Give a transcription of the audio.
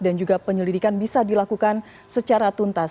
dan juga penyelidikan bisa dilakukan secara tuntas